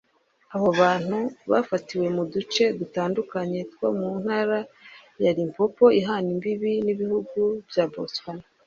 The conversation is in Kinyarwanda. Abo bantu bafatiwe mu duce dutandukanye two mu ntara ya Limpopo ihana imbibi n’ibihugu bya Botswana